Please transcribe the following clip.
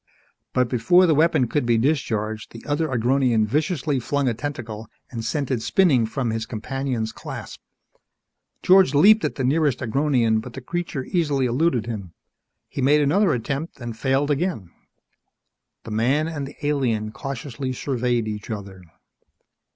But before the weapon could be discharged, the other Agronian viciously flung a tentacle and sent it spinning from his companion's clasp. George leaped at the nearest Agronian but the creature easily eluded him. He made another attempt and failed again. The man and the alien cautiously surveyed each other.